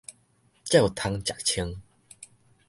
才有通食穿